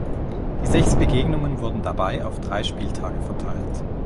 Die sechs Begegnungen wurden dabei auf drei Spieltage verteilt.